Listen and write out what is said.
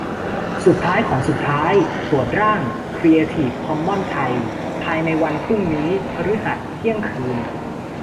สุดท้ายของสุดท้าย ตรวจร่างครีเอทีฟคอมมอนส์ไทย ภายในวันพรุ่งนี้ พฤหัส เที่ยงคืน